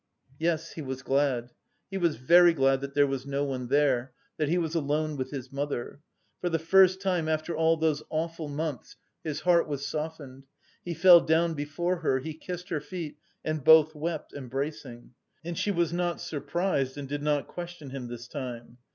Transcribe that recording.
Yes, he was glad, he was very glad that there was no one there, that he was alone with his mother. For the first time after all those awful months his heart was softened. He fell down before her, he kissed her feet and both wept, embracing. And she was not surprised and did not question him this time.